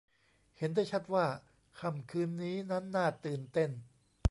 เห็นได้ชัดว่าค่ำคืนนี้นั้นน่าตื่นเต้น